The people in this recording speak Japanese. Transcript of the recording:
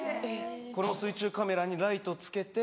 これも水中カメラにライト付けて。